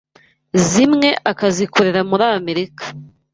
zimwe akazikorera muri Amerika